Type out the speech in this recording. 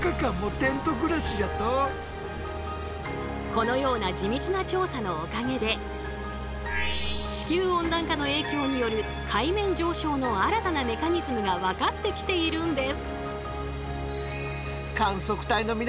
このような地道な調査のおかげで地球温暖化の影響による海面上昇の新たなメカニズムが分かってきているんです！